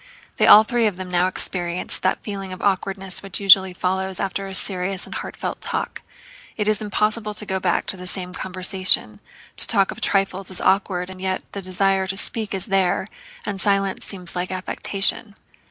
They all three of them now experienced that feeling of awkwardness which usually follows after a serious and heartfelt talk. It is impossible to go back to the same conversation, to talk of trifles is awkward, and yet the desire to speak is there and silence seems like affectation.